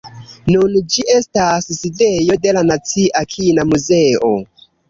Nun ĝi estas sidejo de la nacia kina muzeo.